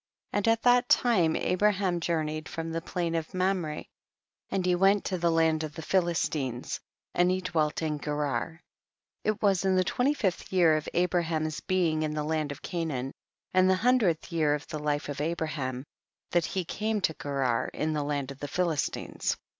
And at that time Abraham jour neyed from the plain of Mamre, and he went to the land of the Philistines, and he dwelt in Gerar ; it was in the twenty fifth year of Abraham's being in the land of Canaan, and the hun drcth year of the life of Abraham, tliat he came to Gerar in the land of the Philistines.